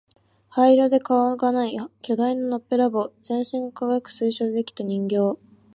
灰色で顔がない巨大なのっぺらぼう、全身が輝く水晶で出来た人形、